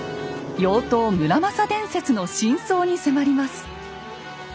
「妖刀村正伝説」の真相に迫ります。